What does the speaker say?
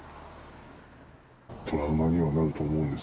トラウマにはなると思うんです。